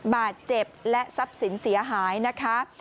บาดเจ็บและทรัพย์สินเสียหายนะคะ